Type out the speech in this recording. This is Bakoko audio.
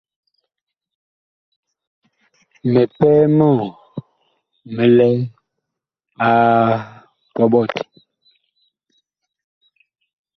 Mipɛɛ mɔɔ mi lɛ a kɔɓɔti.